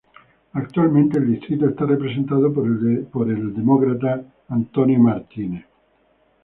Actualmente el distrito está representado por el Demócrata Bob Brady.